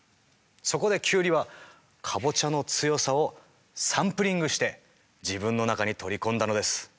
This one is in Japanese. そこでキュウリはカボチャの強さをサンプリングして自分の中に取り込んだのです。